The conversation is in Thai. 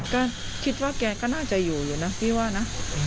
ก็คิดว่าแกก็น่าจะอยู่อยู่นะพี่ว่านะ